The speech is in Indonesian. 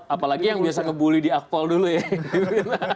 apalagi yang biasa ngebully di akpol dulu ya